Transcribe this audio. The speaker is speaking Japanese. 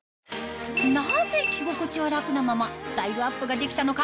なぜ着心地は楽なままスタイルアップができたのか？